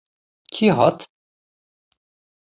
Kî hat?